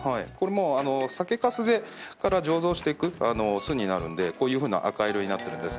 これ酒かすから醸造していく酢になるんでこういうふうな赤色になってる。